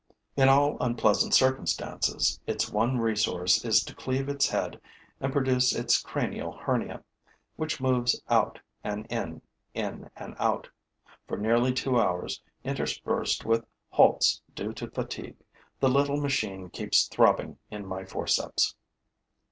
In all unpleasant circumstances, its one resource is to cleave its head and produce its cranial hernia, which moves out and in, in and out. For nearly two hours, interspersed with halts due to fatigue, the little machine keeps throbbing in my forceps.